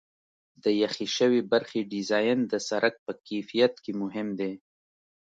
د پخې شوې برخې ډیزاین د سرک په کیفیت کې مهم دی